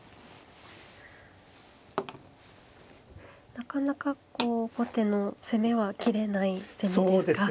なかなかこう後手の攻めは切れない攻めですか。